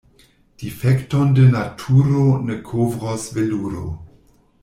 Difekton de naturo ne kovros veluro.